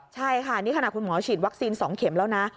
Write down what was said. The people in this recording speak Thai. ใช่ค่ะนี่ขณะคุณหมอฉีดวัคซีน๒เข็มแล้วนะ